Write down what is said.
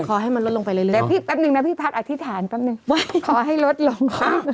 เดี๋ยวพี่แป๊บนึงนะพี่พักอธิษฐานขอให้ลดลง